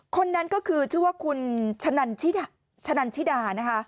คนนั้นก็คือชื่อว่าคุณชะนันชิดานะคะ